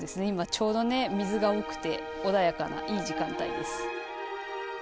今ちょうどね水が多くて穏やかないい時間帯です。